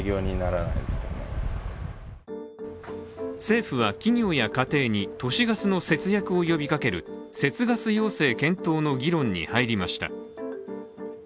政府は企業や家庭に都市ガスの節約を呼びかける節ガス要請検討の議論に入りました。